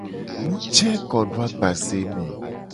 Nujekodoagbazeme.